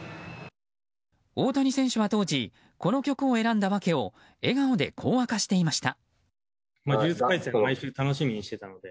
大谷選手は当時、この曲を選んだ訳を笑顔でこう明かしていました。